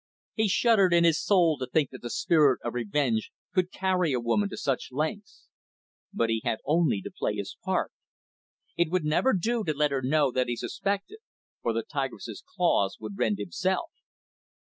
He shuddered in his soul to think that the spirit of revenge could carry a woman to such lengths. But he had only to play his part. It would never do to let her know that he suspected, or the tigress's claws would rend himself.